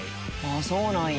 そうなんや。